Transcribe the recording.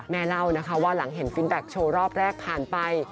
เล่านะคะว่าหลังเห็นฟินแบ็คโชว์รอบแรกผ่านไป